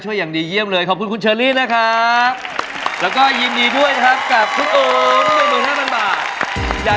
ช่วยอย่างดีเยี่ยมเลยขอบคุณคุณเชอรีนะคะแล้วก็ยินดีด้วยนะครับกับทุกอุต